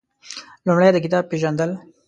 لومړی د کتاب پېژندل